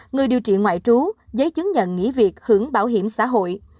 người điều trị ngoại trú giấy chứng nhận nghỉ việc hưởng bảo hiểm xã hội